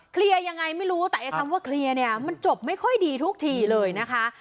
เคลียร์ยังไงไม่รู้แต่ไอ้คำว่าเคลียร์เนี่ยมันจบไม่ค่อยดีทุกทีเลยนะคะ